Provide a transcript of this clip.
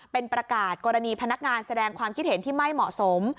เป็นประกาศกรณีพนักงานแสดงความคิดเห็นที่ไม่เหมาะสม